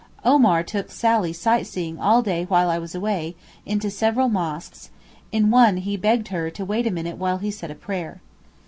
Omar took Sally sightseeing all day while I was away, into several mosques; in one he begged her to wait a minute while he said a prayer.